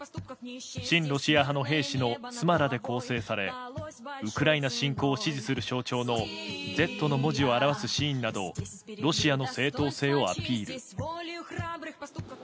親ロシア派の兵士たちの妻らで構成されウクライナ侵攻を支持する象徴の「Ｚ」の文字を表すシーンなどロシアの正当性をアピール。